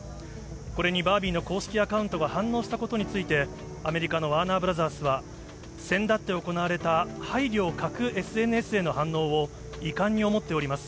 これにバービーの公式アカウントが反応したことについて、アメリカのワーナー・ブラザースはせんだって行われた配慮を欠くＳＮＳへの反応を遺憾に思っております。